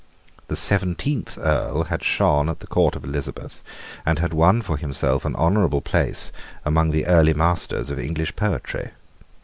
The seventeenth Earl had shone at the court of Elizabeth, and had won for himself an honourable place among the early masters of English poetry.